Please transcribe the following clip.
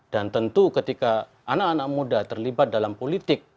dan tentu ketika anak anak muda terlibat dalam politik